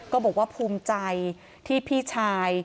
ก็บอกว่าภูมิใจที่พี่ชาย